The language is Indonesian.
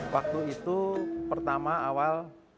waktu itu pertama awal